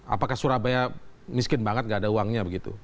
apakah surabaya miskin banget gak ada uangnya begitu